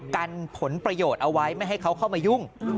กันผลประโยชน์เอาไว้ไม่ให้เขาเข้ามายุ่ง